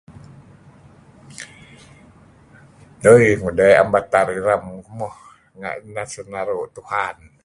dui...ngudah naam matar iyeh [unintelligible] ram [unintelligible]